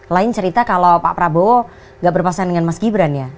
lain cerita kalau pak prabowo gak berpasangan dengan mas gibran ya